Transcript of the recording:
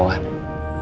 terima kasih wawan